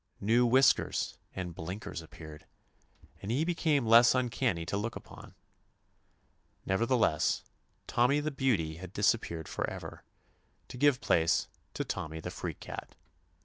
New whiskers and ''blink ers" appeared, and he became less 187 THE ADVENTURES OF uncanny to look upon. Neverthe less, Tommy the beauty had dis appeared forever, to give place to Tommy the freak cat.